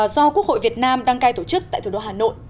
do quốc hội việt nam đăng cai tổ chức tại thủ đô hà nội